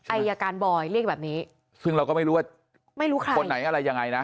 อายการบอยเรียกแบบนี้ซึ่งเราก็ไม่รู้ว่าไม่รู้ใครคนไหนอะไรยังไงนะ